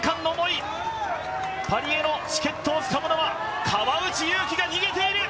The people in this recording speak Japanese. パリへのチケットをつかむのは川内優輝が逃げている！